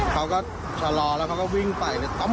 เขาก็ชะลอแล้วเขาก็วิ่งไป